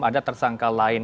ada tersangka lain